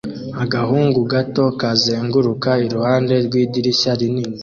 Agahungu gato kazenguruka iruhande rw'idirishya rinini